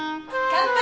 乾杯！